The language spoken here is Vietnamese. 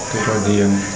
các loại điện